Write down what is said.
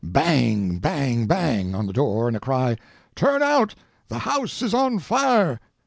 Bang, bang, bang! on the door, and a cry: "Turn out—the house is on fire!"